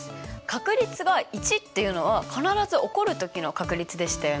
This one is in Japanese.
確率が１っていうのは必ず起こる時の確率でしたよね。